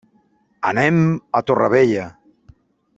Anem a Torrevella.